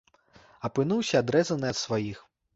Апынуўся адрэзаны ад сваіх.